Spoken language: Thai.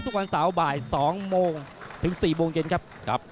ทุกวันเสาร์บ่าย๒โมงถึง๔โมงเย็นครับ